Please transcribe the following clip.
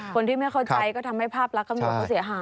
คนที่ไม่เข้าใจก็ทำให้ภาพลักษณ์ตำรวจเขาเสียหาย